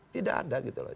tidak ada gitu loh